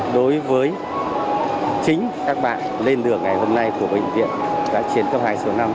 đối với chính các bạn lên đường ngày hôm nay của bệnh viện giã chiến cấp hai số năm